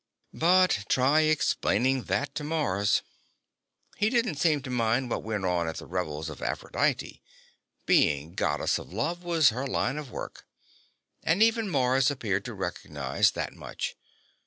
But try explaining that to Mars. He didn't seem to mind what went on at the Revels of Aphrodite being Goddess of Love was her line of work, and even Mars appeared to recognize that much.